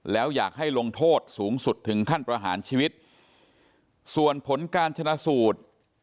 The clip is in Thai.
แล้วอยากให้ลงโทษสูงสุดถึงขั้นประหารชีวิตส่วนผลการชนะสูตร